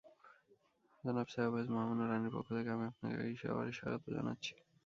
জনাব সাওভ্যাজ, মহামান্য রানির পক্ষ থেকে, আমি আপনাকে এই টাওয়ারে স্বাগত জানাচ্ছি।